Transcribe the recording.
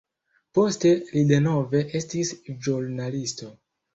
Poste li denove estis ĵurnalisto.